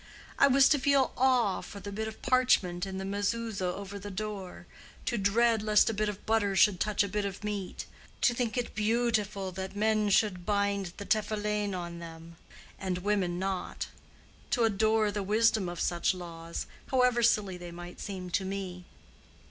I was to feel awe for the bit of parchment in the mezuza over the door; to dread lest a bit of butter should touch a bit of meat; to think it beautiful that men should bind the tephillin on them, and women not,—to adore the wisdom of such laws, however silly they might seem to me.